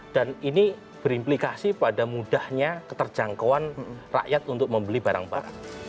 dan ini berimplikasi pada mudahnya keterjangkauan rakyat untuk membeli barang barat